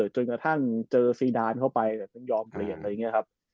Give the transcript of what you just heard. จนกระทั่งเจอซีดานเข้าไปแต่ต้องยอมเปลี่ยนอะไรอย่างนี้ครับ